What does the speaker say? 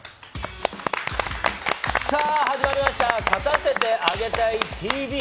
さぁ、始まりました『勝たせてあげたいＴＶ』！